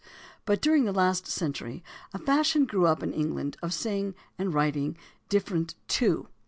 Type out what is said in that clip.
But during the last century a fashion grew up in England of saying and writ ing "different to."